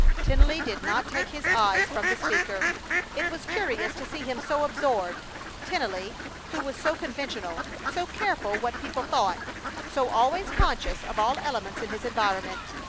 Tennelly did not take his eyes from the speaker. It was curious to see him so absorbed, Tennelly, who was so conventional, so careful what people thought, so always conscious of all elements in his environment.